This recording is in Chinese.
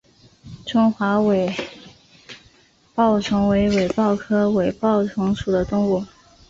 中华尾孢虫为尾孢科尾孢虫属的动物。